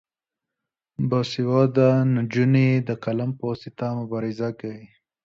باسواده نجونې د قلم په واسطه مبارزه کوي.